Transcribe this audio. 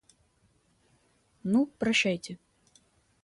Ну, прощайте.